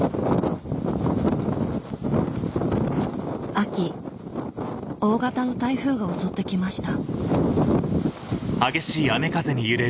秋大型の台風が襲って来ました